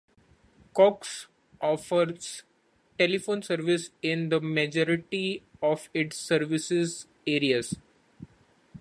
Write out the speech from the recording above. Cox offers telephone service in the majority of its services areas.